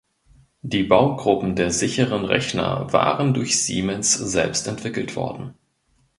Die Baugruppen der sicheren Rechner waren durch Siemens selbst entwickelt worden.